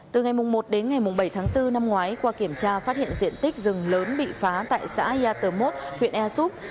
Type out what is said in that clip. từ ngày một đến ngày bảy tháng bốn năm ngoái qua kiểm tra phát hiện diện tích rừng lớn bị phá tại xã yatomot huyện ea súp